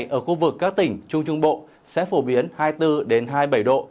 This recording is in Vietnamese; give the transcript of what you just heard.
trên biển ở khu vực các tỉnh trung trung bộ sẽ phổ biến hai mươi bốn đến hai mươi bảy độ